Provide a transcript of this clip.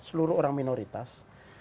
seluruh orang minoritas